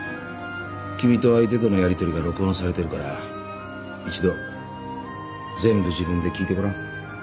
君と相手とのやりとりが録音されてるから一度全部自分で聞いてごらん